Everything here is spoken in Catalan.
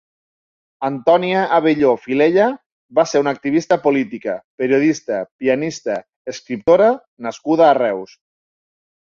Antònia Abelló Filella va ser una activista política, periodista, pianista, escriptora nascuda a Reus.